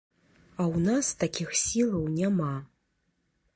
А ў нас такіх сілаў няма.